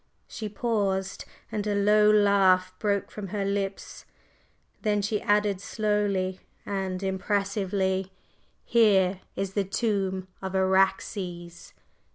…" She paused, and a low laugh broke from her lips; then she added slowly and impressively: "Here is the tomb of Araxes!"